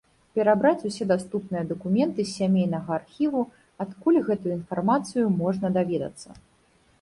Перабраць усе даступныя дакументы з сямейнага архіву, адкуль гэтую інфармацыю можна даведацца.